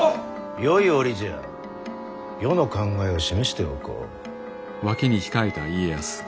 よい折じゃ余の考えを示しておこう。